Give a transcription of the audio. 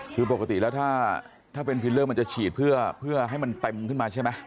คือปกติแล้วถ้าเป็นฟิลเลอร์มันจะฉีดเพื่อให้มันเต็มขึ้นมาใช่ไหม